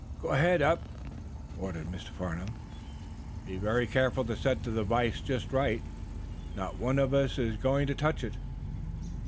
"Go ahead, Eph," ordered Mr. Farnum. "Be very careful to set the device just right. Not one of us is going to touch it."